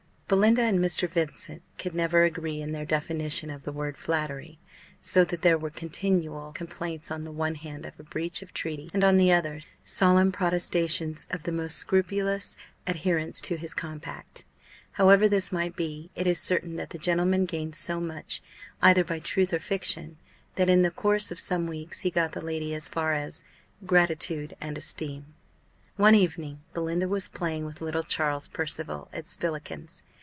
Belinda and Mr. Vincent could never agree in their definition of the word flattery; so that there were continual complaints on the one hand of a breach of treaty, and, on the other, solemn protestations of the most scrupulous adherence to his compact. However this might be, it is certain that the gentleman gained so much, either by truth or fiction, that, in the course of some weeks, he got the lady as far as "gratitude and esteem." One evening, Belinda was playing with little Charles Percival at spillikins.